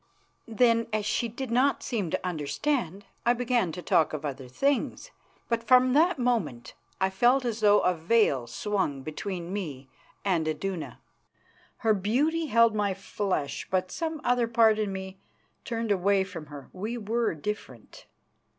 Then, as she did not seem to understand, I began to talk of other things, but from that moment I felt as though a veil swung between me and Iduna. Her beauty held my flesh, but some other part in me turned away from her. We were different.